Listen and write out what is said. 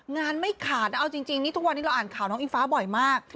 ไม่ขาดเอาจริงนี่ทุกวันนี้เราอ่านข่าวน้องอิงฟ้าบ่อยมาก